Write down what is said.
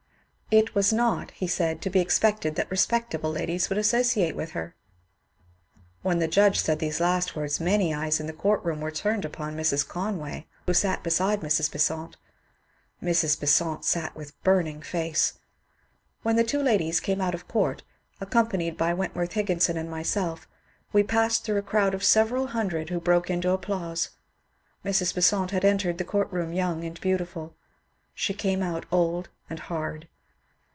It was not, he said, to be expected that respectable ladies would associate with her. When the judge said these last words many eyes in the court room were turned upon Mrs. Conway, who sat beside Mrs. Besant. Mrs. Besant sat with burning face. When the two ladies came out of court, accompanied by Wentworth Higginson and myself, we passed through a crowd of several hundred who broke into applause. Mrs. Besant had entered the court room young and beautiful ; she came out old and hard.